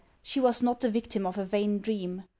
She was not the victim of a vain dream.